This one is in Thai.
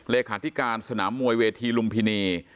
เลขาธิการสนามมวยเวทีลุมพินี